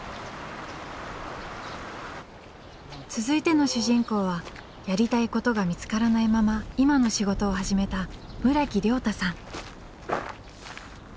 続いての主人公はやりたいことが見つからないまま今の仕事を始めた村木亮太さん。